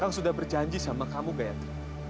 kakak sudah berjanji sama kamu gayatri